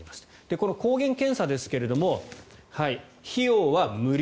この抗原検査ですが費用は無料。